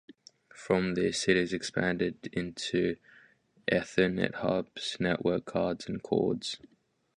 From this, it expanded into Ethernet hubs, network cards, and cords.